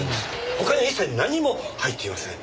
他には一切何も入っていません。